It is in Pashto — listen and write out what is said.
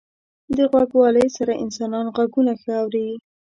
• د غوږوالۍ سره انسانان ږغونه ښه اوري.